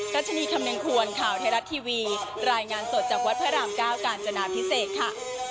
รัชนีคำนึงควรข่าวไทยรัฐทีวีรายงานสดจากวัดพระรามเก้ากาญจนาพิเศษค่ะ